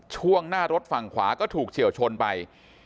ช่วงหน้ารถฝั่งขวาก็ถูกเฉียวชนไป